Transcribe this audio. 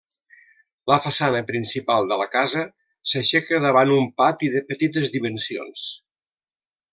La façana principal de la casa s'aixeca davant un pati de petites dimensions.